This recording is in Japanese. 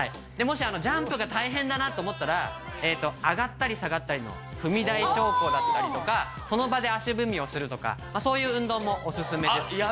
もしジャンプが大変だなと思ったら上がったり下がったりの踏み台昇降だったりとかその場で足踏みをするとかそういう運動もおすすめです。